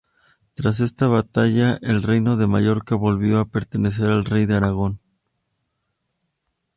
Tras esta batalla el Reino de Mallorca volvió a pertenecer al Rey de Aragón.